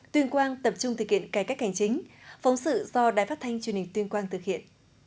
tuyên quang tập trung thực hiện cải cách hành chính phóng sự do đài phát thanh truyền hình tuyên quang thực hiện